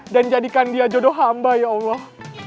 dan jadikan dia jodoh hamba ya allah